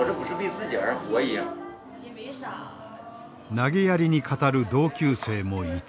なげやりに語る同級生もいた。